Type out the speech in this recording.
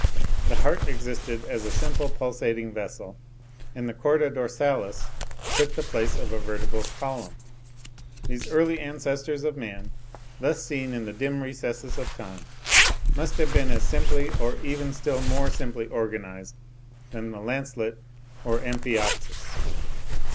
The heart existed as a simple pulsating vessel; and the chorda dorsalis took the place of a vertebral column. These early ancestors of man, thus seen in the dim recesses of time, must have been as simply, or even still more simply organised than the lancelet or amphioxus.